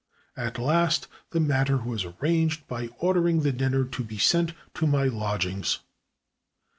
At last the matter was arranged by ordering the dinner to be sent to my lodgings.